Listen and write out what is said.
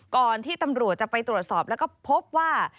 ก่อนที่ตำรวจจะไปตรวจสอบแล้วก็พบว่า